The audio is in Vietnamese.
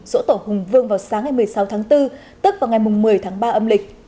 dỗ tổ hùng vương vào sáng ngày một mươi sáu tháng bốn tức vào ngày một mươi tháng ba âm lịch